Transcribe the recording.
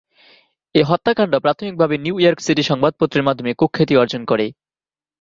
এই হত্যাকাণ্ড প্রাথমিকভাবে নিউ ইয়র্ক সিটি সংবাদপত্রের মাধ্যমে কুখ্যাতি অর্জন করে।